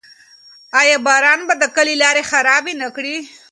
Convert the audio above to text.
آیا باران به د کلي لارې خرابې نه کړي؟